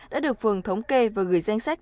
đã được phường thống kê và gửi danh sách